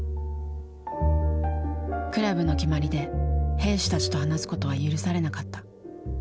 クラブの決まりで兵士たちと話すことは許されなかった。